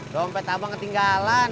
dompet abang ketinggalan